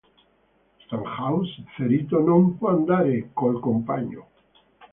Stackhouse, ferito, non può andare col compagno.